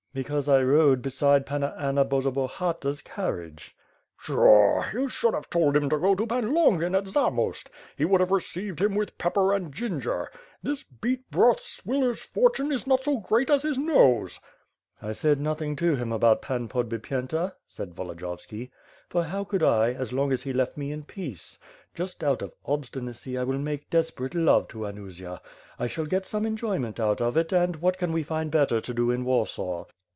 "Because I rode beside Panna Anna Borzobahata's car riage." "Pshaw! You should have told him to go to Pan Longin at Zamost. He would have received him with pepper and ginger; this beet broth swiller's fortune is not so great as his nose." "I said nothing to hiin about Pan Podbipyenta;" said Volo diyovski, "for how could I, as long as he left me in peace? Just out of obstinacy, I will make desperate love to Anusia; I shall get some enjoyment out of it and what can we find better to do in Warsaw?"